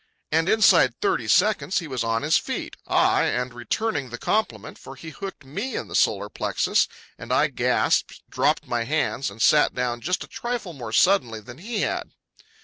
And inside thirty seconds he was on his feet—ay, and returning the compliment, for he hooked me in the solar plexus, and I gasped, dropped my hands, and sat down just a trifle more suddenly than he had.